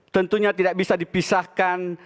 tentunya tidak bisa dipisahkan